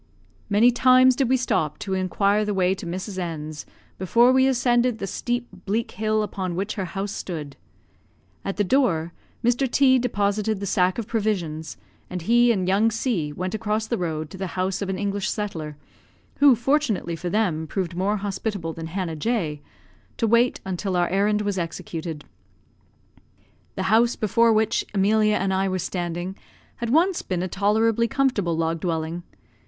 Many times did we stop to inquire the way to Mrs. N 's, before we ascended the steep, bleak hill upon which her house stood. At the door, Mr. T deposited the sack of provisions, and he and young C went across the road to the house of an English settler (who, fortunately for them, proved more hospitable than Hannah J ), to wait until our errand was executed. The house before which Emilia and I were standing had once been a tolerably comfortable log dwelling.